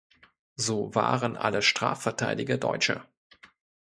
So waren alle Strafverteidiger Deutsche.